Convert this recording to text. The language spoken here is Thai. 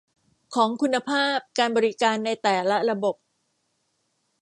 ของคุณภาพการบริการในแต่ละระบบ